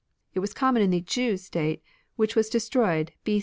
It was common in the Ch'u State, which was destroyed B.